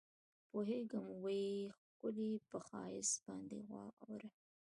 پوهېږمه وي ښکلي پۀ ښائست باندې غاوره